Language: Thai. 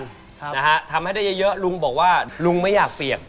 ค่ะนะฮะทำให้ได้เยอะเยอะลุงบอกว่าลุงไม่อยากเปียก